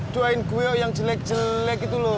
doain gue yang jelek jelek itu loh